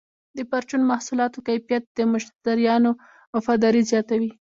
د پرچون محصولاتو کیفیت د مشتریانو وفاداري زیاتوي.